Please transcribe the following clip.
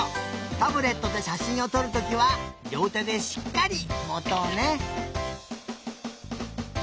タブレットでしゃしんをとるときはりょうてでしっかりもとうね。